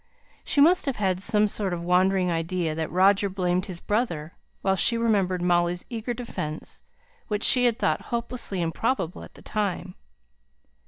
She must have had some sort of wandering idea that Roger blamed his brother, while she remembered Molly's eager defence, which she had thought hopelessly improbable at the time.